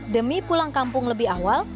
demi pulang kampung lebih awal